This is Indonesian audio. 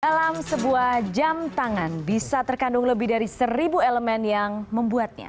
dalam sebuah jam tangan bisa terkandung lebih dari seribu elemen yang membuatnya